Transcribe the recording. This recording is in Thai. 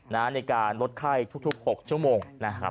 ในการลดไข้ทุก๖ชั่วโมง